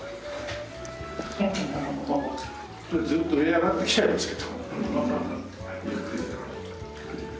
これずっと上に上がってきちゃいますけど。